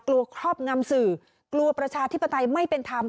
ครอบงำสื่อกลัวประชาธิปไตยไม่เป็นธรรม